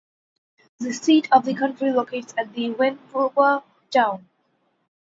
The seat of the county locates at the Wenwuba Town.